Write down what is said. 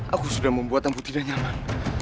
aku sudah membuat ambu tidak nyaman